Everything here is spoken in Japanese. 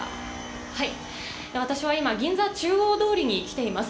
私は今、銀座・中央通りに来ています。